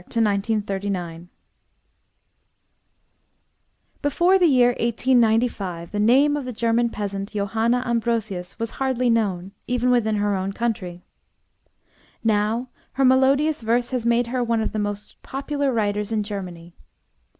JOHANNA AMBROSIUS (1854 ) Before the year 1895 the name of the German peasant, Johanna Ambrosius, was hardly known, even within her own country. Now her melodious verse has made her one of the most popular writers in Germany.